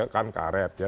kan karet ya